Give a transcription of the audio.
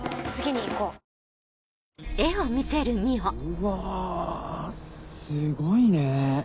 うわすごいね。